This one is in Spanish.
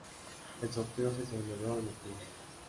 El sorteo se celebró en octubre.